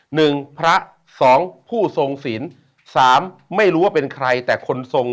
หนึ่งพระสองผู้ทรงศิลป์สามไม่รู้ว่าเป็นใครแต่คนทรง